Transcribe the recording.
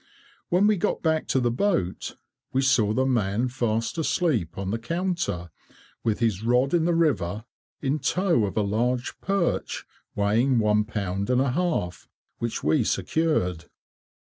When we got back to the boat we saw the man fast asleep on the counter, with his rod in the river, in tow of a large perch, weighing one pound and a half, which we secured.